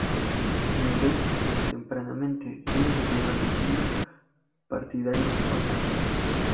Ingresa a la tempranamente, siendo su primer destino partidario Bakú.